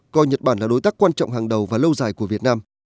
coi nhật bản là đối tác quan trọng hàng đầu và lâu dài của việt nam